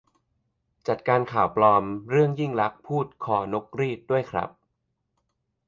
จัดการข่าวปลอมเรื่อง ยิ่งลักษณ์พูดว่า คอ-นก-รีต ด้วยครับ